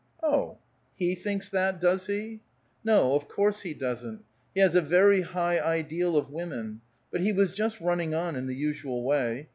"Oh! He thinks that, does he?" "No, of course, he doesn't. He has a very high ideal of women; but he was just running on, in the usual way.